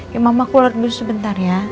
ya mama keluar dulu sebentar ya